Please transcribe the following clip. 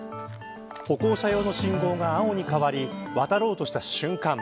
歩行者用の信号が青に変わり渡ろうとした瞬間